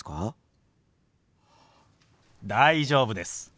大丈夫です。